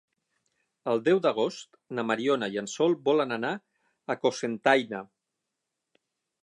El deu d'agost na Mariona i en Sol volen anar a Cocentaina.